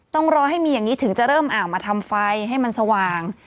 ต้องรอให้มีอย่างนี้ถึงจะเริ่มอ่างมาทำไฟให้มันสว่าง